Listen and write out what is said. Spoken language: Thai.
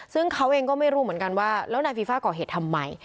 ซึ่งเขาเองก็ไม่รู้เหมือนกันว่าแล้วนายฟีฟ่าก่อเหตุทำไม